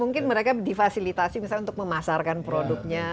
mungkin mereka difasilitasi misalnya untuk memasarkan produknya